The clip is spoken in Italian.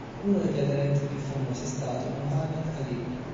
Uno degli aderenti più famosi è stato Mohammed Alì.